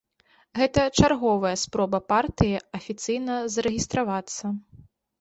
Гэта чарговая спроба партыі афіцыйна зарэгістравацца.